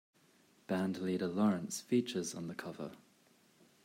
Band leader Lawrence features on the cover.